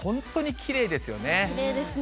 きれいですね。